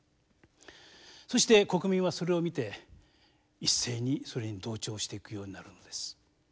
そして国民はそれを見て一斉にそれに同調していくようになるのです。